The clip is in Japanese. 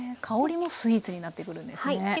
香りもスイーツになってくるんですね。